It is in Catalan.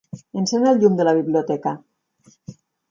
Encén el llum de la biblioteca.